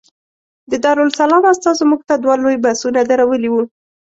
د دارالسلام استازو موږ ته دوه لوی بسونه درولي وو.